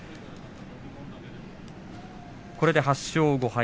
これで８勝５敗